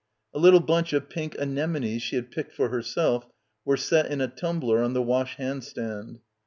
A little bunch of pink anemones she had picked for herself were set in a tumbler on the wash hand stand.